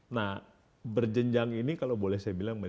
nah berjenjang ini kalau boleh saya bilang